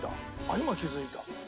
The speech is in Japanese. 今気付いた。